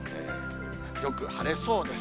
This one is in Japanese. よく晴れそうです。